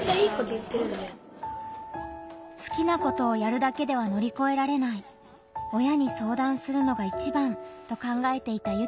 好きなことをやるだけでは乗り越えられない親に相談するのがいちばんと考えていた幸那さん。